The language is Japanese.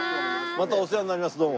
またお世話になりますどうも。